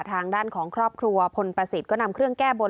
ทางด้านของครอบครัวพลประสิทธิ์ก็นำเครื่องแก้บน